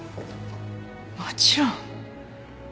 もちろん。